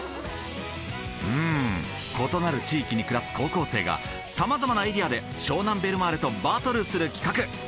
うん異なる地域に暮らす高校生がさまざまなエリアで湘南ベルマーレとバトルする企画。